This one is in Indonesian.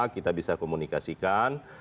kita bisa komunikasikan